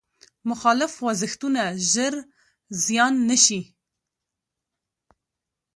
مخالف خوځښتونه ژر زیان نه شي.